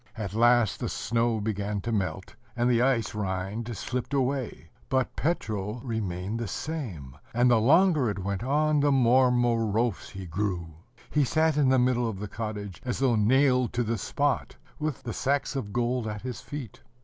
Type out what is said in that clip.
At last the snow began to melt, and the ice rind slipped away: but Petro remained the same; and, the longer it went on, the more morose he grew. He sat in the middle of the cottage as though nailed to the spot, with the sacks of gold at his feet.